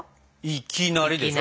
「いきなり」でしょ？